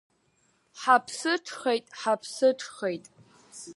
Ҳаԥсыҽхеит, ҳаԥсыҽхеит.